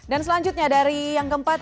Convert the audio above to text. dan selanjutnya dari yang keempat